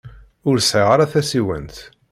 Ur sɛiɣ ara tasiwant.